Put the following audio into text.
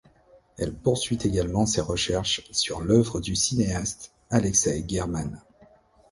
Elle poursuit également ses recherches sur l'œuvre du cinéaste Alexeï Guerman.